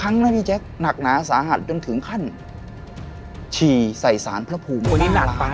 อันนี้หนักไป